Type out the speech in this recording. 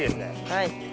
はい。